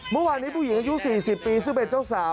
เมื่อวานนี้ผู้หญิงอายุ๔๐ปีซึ่งเป็นเจ้าสาว